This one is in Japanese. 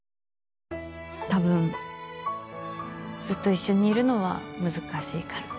多分、ずっと一緒にいるのは難しいから。